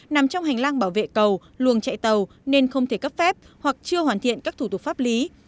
nằm trong hành lang bảo vệ cầu luồng chạy tàu nên không thể cấp phép hoặc chưa hoàn thiện các thủ tục pháp lý